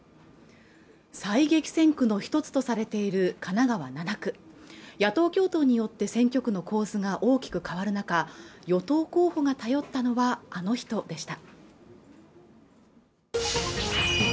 最激戦区の１つとされている神奈川７区野党共闘によって選挙区の構図が大きく変わる中与党候補が頼ったのはあの人でした